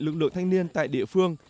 lực lượng thanh niên tại địa phương